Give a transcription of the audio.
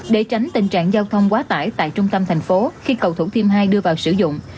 để tránh tình trạng giao thông quá tải tại trung tâm thành phố khi cầu thủ thiêm hai đưa vào sử dụng